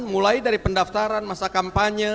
mulai dari pendaftaran masa kampanye